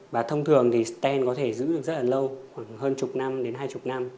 và thông thường thì stent có thể giữ được rất là lâu khoảng hơn chục năm đến hai mươi năm